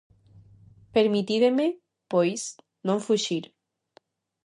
Permitídeme, pois, non fuxir.